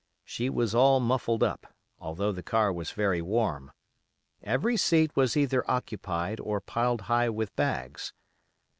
She was all muffled up, although the car was very warm. Every seat was either occupied or piled high with bags.